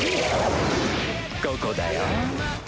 ここだよ。